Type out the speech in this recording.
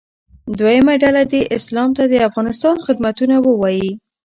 دویمه ډله دې اسلام ته د افغانستان خدمتونه ووایي.